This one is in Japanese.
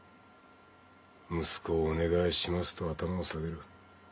息子をお願いしますと頭を下げる。